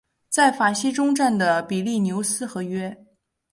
在法西终战的比利牛斯和约。